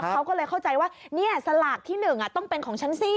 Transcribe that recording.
เขาก็เลยเข้าใจว่านี่สลากที่๑ต้องเป็นของฉันสิ